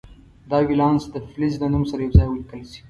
دا ولانس د فلز له نوم سره یو ځای ولیکل شي.